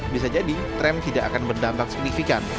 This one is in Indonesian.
bisa jadi tram tidak akan berdampak signifikan